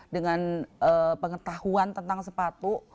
dengan pengetahuan tentang sepatu